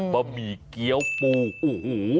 บะหมี่เกี้ยวปูโอ้โห